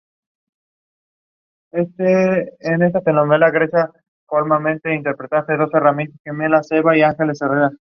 El exoesqueleto compuesto es una de las principales razones por tal diseño es posible.